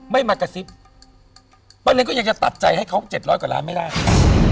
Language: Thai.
ไม่มากระซิบป้าเลนก็ยังจะตัดใจให้เขา๗๐๐กว่าล้านไม่ได้